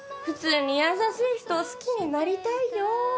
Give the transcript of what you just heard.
普通に優しい人を好きになりたいよ